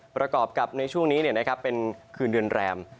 ประกอบกับในช่วงนี้เป็นคืนเดือนแรม